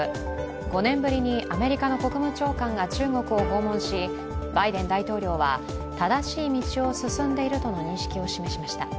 ５年ぶりにアメリカの国務長官が中国を訪問しバイデン大統領は、正しい道を進んでいるとの認識を示しました。